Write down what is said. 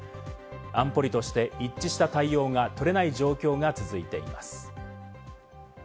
安保理として、一致した対応が取れない状況が続いています。